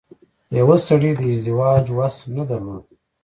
يوه سړي د ازدواج وس نه درلود.